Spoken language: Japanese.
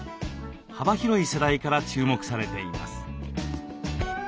幅広い世代から注目されています。